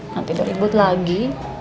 nanti udah ribut lagi